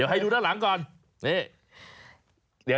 เนี้ยต่างกล้องอยู่ไหน